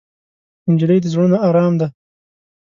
نجلۍ د زړونو ارام ده.